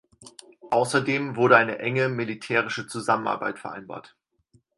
Außerdem wurde eine enge militärische Zusammenarbeit vereinbart.